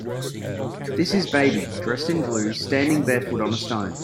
This is baby, dressed in blue, standing barefoot on a stone.